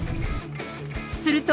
すると。